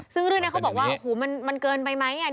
ซึ่งเรื่องนี้เขาบอกว่าโอ้โหมันเกินไปไหม